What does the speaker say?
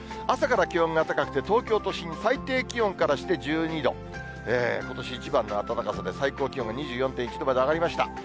朝から気温が高くて、東京都心、最低気温からして１２度、ことし一番の暖かさで、最高気温は２４．１度まで上がりました。